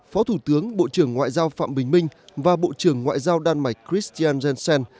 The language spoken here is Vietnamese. phó thủ tướng bộ trưởng ngoại giao phạm bình minh và bộ trưởng ngoại giao đan mạch christian jensen